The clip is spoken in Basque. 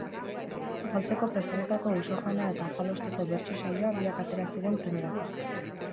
Afaltzeko prestatutako uso-jana eta afalosteko bertso-saioa, biak atera ziren primerakoak.